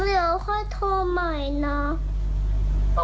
เดี๋ยวค่อยโทรใหม่นะ